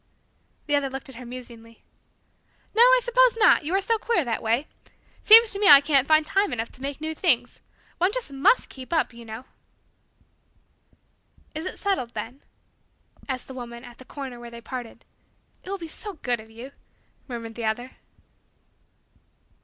The other looked at her musingly. "No, I suppose not, you are so queer that way. Seems to me I can't find time enough to make new things. One just must keep up, you know." "It is settled then?" asked the woman, at the corner where they parted. "It will be so good of you," murmured the other.